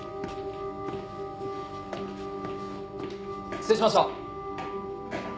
失礼しました。